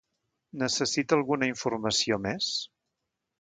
Necessita alguna informació més?